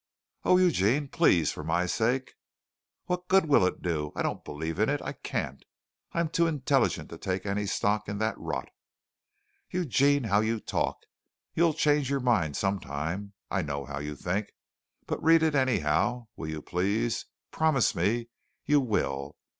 "Oh, Eugene, please for my sake." "What good will it do? I don't believe in it. I can't. I'm too intelligent to take any stock in that rot." "Eugene, how you talk! You'll change your mind some time. I know how you think. But read it anyhow. Will you please? Promise me you will.